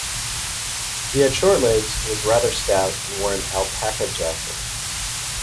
He had short legs, was rather stout, and wore an alpaca jacket.